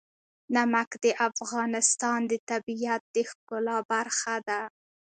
نمک د افغانستان د طبیعت د ښکلا برخه ده.